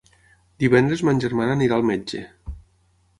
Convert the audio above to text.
Divendres ma germana anirà al metge.